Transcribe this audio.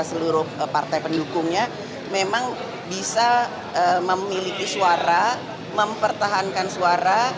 seluruh partai pendukungnya memang bisa memiliki suara mempertahankan suara